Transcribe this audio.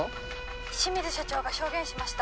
清水社長が証言しました。